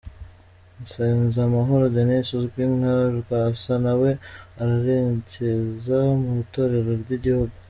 Nsanzamahoro Dennis uzwi nka Rwasa nawe arerekeza mu itorero ry'igihugu.